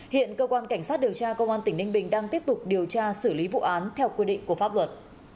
hiện cơ quan cảnh sát điều tra công an tỉnh ninh bình đang tiếp tục điều tra xử lý vụ án theo quy định của pháp luật